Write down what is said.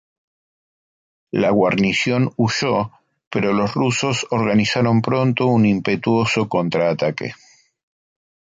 La guarnición huyó, pero los rusos organizaron pronto un impetuoso contraataque.